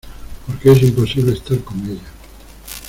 porque es imposible estar con ella.